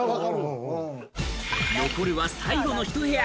残るは最後のひと部屋。